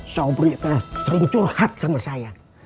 sobri sering curhat sama saya